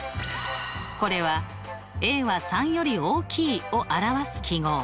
これはは３より大きいを表す記号。